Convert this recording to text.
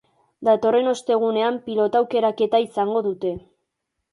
Datorren ostegunean pilota aukeraketa izango dute.